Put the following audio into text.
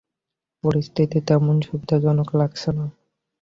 পরিস্থিতি তেমন সুবিধাজনক লাগছে না।